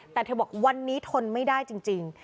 แต่เธอบอกวันนี้ทนไม่ได้จริง